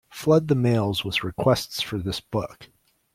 Flood the mails with requests for this book.